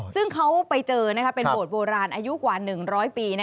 ซึ่งเขาไปเจอเป็นโบสถโบราณอายุกว่า๑๐๐ปี